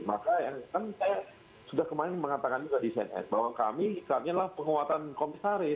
maka yang saya sudah kemarin mengatakan juga di cnn bahwa kami saatnya penguatan komisaris